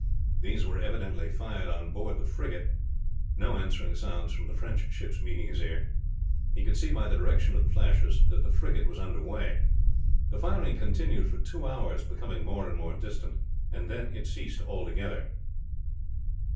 These were evidently fired on board the frigate, no answering sounds from the French ships meeting his ear. He could see by the direction of the flashes that the frigate was under way. The firing continued for two hours, becoming more and more distant, and then it ceased altogether.